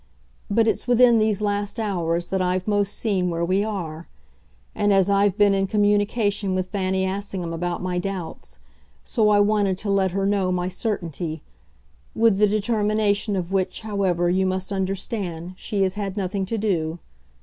But it's within these last hours that I've most seen where we are; and as I've been in communication with Fanny Assingham about my doubts, so I wanted to let her know my certainty with the determination of which, however, you must understand, she has had nothing to do.